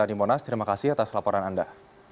di monas terima kasih atas laporan anda